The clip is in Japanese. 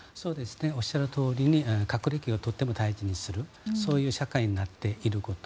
おっしゃるとおり学歴をとっても大事にするそういう社会になっていること。